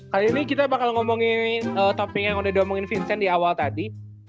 kali ini kita bakal ngomongin topping yang udah diomongin vincent di awal tadi